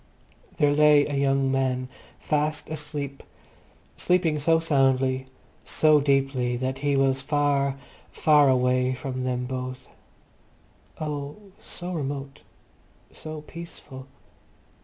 There lay a young man, fast asleep—sleeping so soundly, so deeply, that he was far, far away from them both. Oh, so remote, so peaceful.